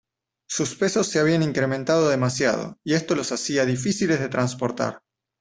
Sus pesos se habían incrementado demasiado y esto los hacía difíciles de transportar.